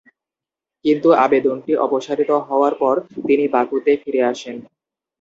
কিন্তু আবেদনটি অপসারিত হওয়ার পর তিনি বাকুতে ফিরে আসেন।